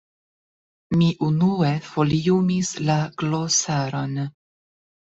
Mi unue foliumis la glosaron.